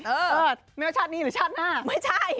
เออไม่ว่าชาตินี้หรือชาติหน้าไม่ใช่